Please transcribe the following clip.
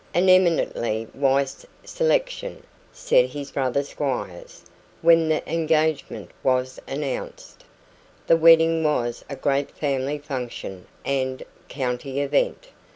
An eminently wise selection, said his brother squires, when the engagement was announced. The wedding was a great family function and county event.